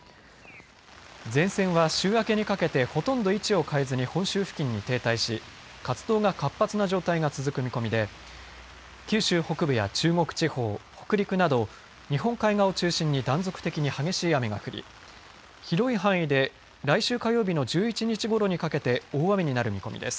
前線は週明けにかけてほとんど位置を変えずに本州付近に停滞し活動が活発な状態が続く見込みで九州北部や中国地方北陸など、日本海側を中心に断続的に激しい雨が降り広い範囲で来週火曜日の１１日ごろにかけて大雨になる見込みです。